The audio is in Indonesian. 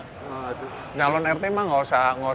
penyalon rt mah gak usah ngadu